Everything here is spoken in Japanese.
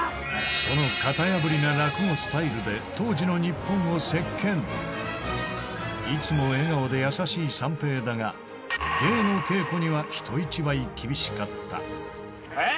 その型破りな落語スタイルで当時の日本を席巻いつも笑顔で優しい三平だが芸の稽古には人一倍厳しかったえぇ？